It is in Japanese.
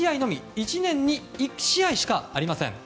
１年に１試合しかありません。